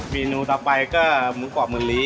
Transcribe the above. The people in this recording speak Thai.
เมนูต่อไปก็หมูกรอบมะลิ